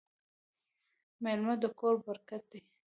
میلمه د کور برکت دی.